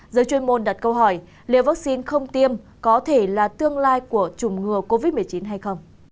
giới chuyên môn đặt câu hỏi liệu vaccine không tiêm có thể là tương lai của chủng ngừa covid một mươi chín hay không